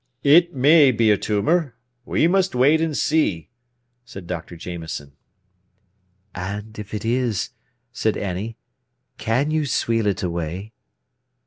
"It may be a tumour; we must wait and see," said Dr. Jameson. "And if it is," said Annie, "can you sweal it away?"